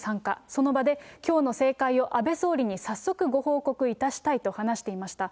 その場で、きょうの盛会を安倍総理に早速、ご報告いたしたいと話していました。